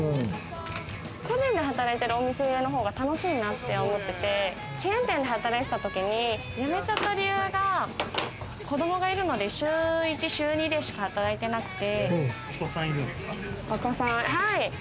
個人で働いてるお店の方が楽しいなって思っててチェーン店で働いてた時に辞めちゃった理由が子供がいるので週１、週２でしか働いてなくて。